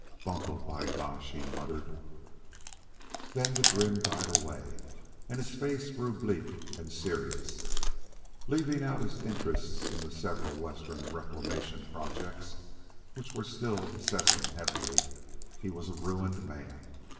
"Buncoed, by gosh!" he muttered. Then the grin died away, and his face grew bleak and serious. Leaving out his interests in the several Western reclamation projects (which were still assessing heavily), he was a ruined man.